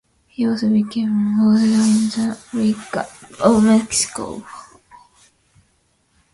He also became an auditor in the Audiencia of Mexico.